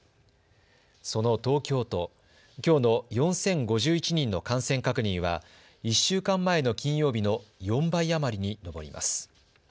その東京都、きょうの４０５１人の感染確認は１週間前の金曜日の４倍余りに上ります。